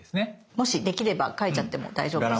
もしできれば描いちゃっても大丈夫です。